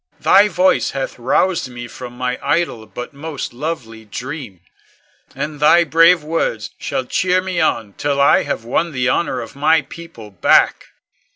Thy voice hath roused me from my idle but most lovely dream, and thy brave words shall cheer me on till I have won the honor of my people back.